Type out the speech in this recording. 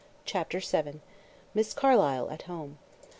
CHAPTER VII. MISS CARLYLE AT HOME.